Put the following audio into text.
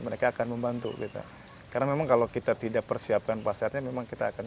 mereka akan membantu kita karena memang kalau kita tidak persiapkan pasarnya memang kita akan